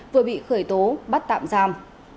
vừa bị khởi tố bắt tạm giam